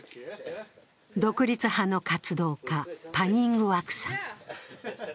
独立派の活動家、パニングワクさん